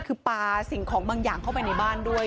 คือปลาสิ่งของบางอย่างเข้าไปในบ้านด้วย